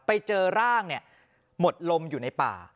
ไปเจอร่างหมดลมอยู่ในป่า